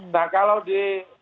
nah kalau di